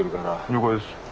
了解です。